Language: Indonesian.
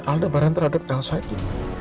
alda barang terhadap elsa itu